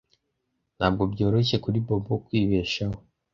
Ntabwo byoroshye kuri Bobo kwibeshaho.